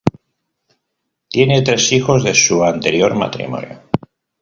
Tiene tres hijos de su anterior matrimonio.